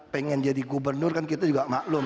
pengen jadi gubernur kan kita juga maklum